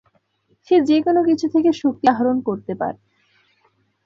সে যেকোনো কিছু থেকে শক্তি আহরণ করতে পারে।